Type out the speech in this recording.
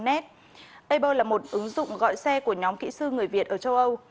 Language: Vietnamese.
các dịch vụ mà uber gọi xe là một ứng dụng gọi xe của nhóm kỹ sư người việt ở châu âu